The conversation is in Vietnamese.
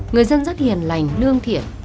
người dân rất hiền lành lương thiện